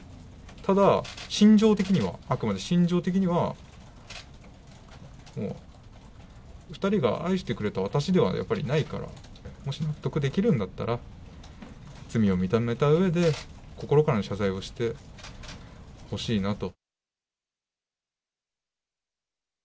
ただ、心情的には、あくまで心情的には、もう、２人が愛してくれた私ではやっぱりないから、もし納得できるんだったら、罪を認めたうえで、心からの謝罪をしてほしいなと。